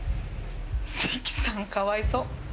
関さんかわいそう。